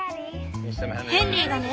ヘンリーがね